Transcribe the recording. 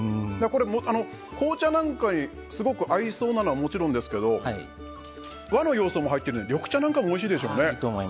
これ、紅茶なんかにすごく合いそうなのはもちろんですが和の要素も入っているので緑茶なんかもおいしいでしょうね。